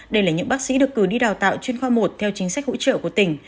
đây là những bác sĩ được cử đi đào tạo chuyên khoa một theo chính sách hỗ trợ của tỉnh